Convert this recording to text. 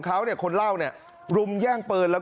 เขาเล่าบอกว่าเขากับเพื่อนเนี่ยที่เรียนปลูกแดงใช่ไหม